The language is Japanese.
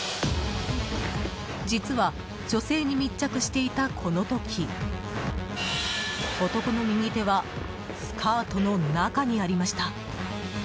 実は女性に密着していた、この時男の右手はスカートの中にありました。